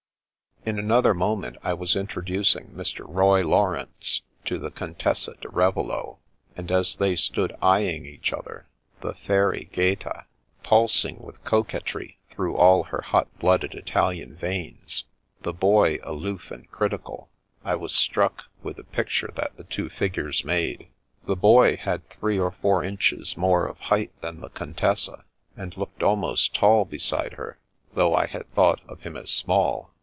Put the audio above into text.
In another moment I was introducing Mr. Roy Laurence to the Contessa di Ravello; and as they stood eyeing each other, the fairy Gaeta pulsing with coquetry through all her hot blooded Italian veins, the Boy aloof and critical, I was struck with the picture that the two figures made. The Boy had three or four inches more of height than the Contessa, and looked almost tall beside her, though I had thought of him as small.